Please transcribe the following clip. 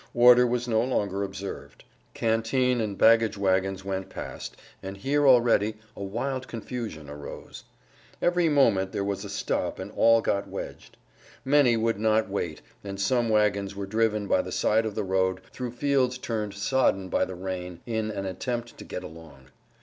Order was no longer observed. Canteen and baggage wagons went past, and here already a wild confusion arose. Every moment there was a stop and all got wedged. Many would not wait, and some wagons were driven by the side of the road, through fields turned sodden by the rain, in an attempt to get along.